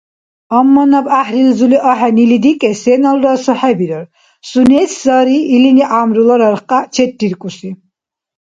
Амма наб гӀяхӀрилзули ахӀен или дикӀес сеналра асухӀебирар, сунес сари илини гӀямрула рархкья черриркӀуси.